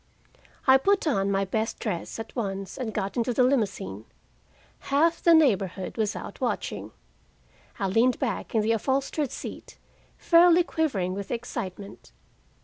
I put on my best dress at once and got into the limousine. Half the neighborhood was out watching. I leaned back in the upholstered seat, fairly quivering with excitement.